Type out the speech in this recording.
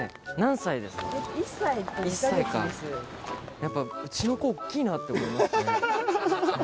やっぱうちの子大っきいなって思いますね。